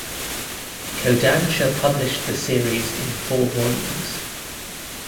Kodansha published the series in four volumes.